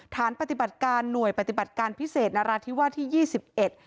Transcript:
ฐานปฏิบัติการหน่วยปฏิบัติการพิเศษนราธิวาสที่ยี่สิบเอ็ด